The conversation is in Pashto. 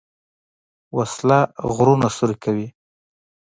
وسله غرونه سوری کوي